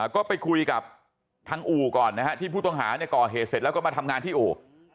ก็ไปคุยกับทางอู่ก่อนนะฮะที่ผู้ต้องหาก่อเหตุเสร็จแล้วก็มาทำงานที่อู่